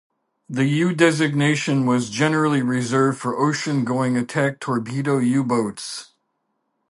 The "U" designation was generally reserved for ocean-going attack torpedo U-boats.